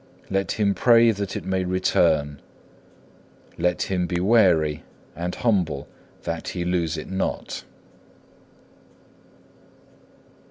Let him pray that it may return; let him be wary and humble that he lose it not.